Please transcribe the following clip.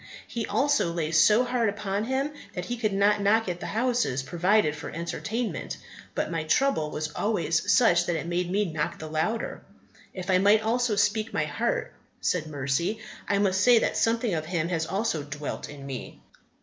His also lay so hard upon him that he could not knock at the houses provided for entertainment, but my trouble was always such that it made me knock the louder." "If I might also speak my heart," said Mercy, "I must say that something of him has also dwelt in me.